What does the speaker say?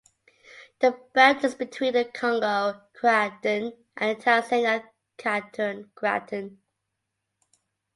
The belt is between the Congo Craton and the Tanzania Craton.